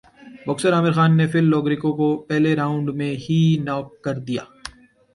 boxer Aamir Khan نے Phil Lo Greco کو پہلےرانڈ میں ہی ناک کر دیا